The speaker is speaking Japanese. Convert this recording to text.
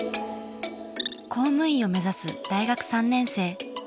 公務員を目指す大学３年生。